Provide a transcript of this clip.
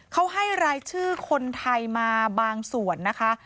เขาให้รายชื่อคนไทยมาบางส่วนนะคะ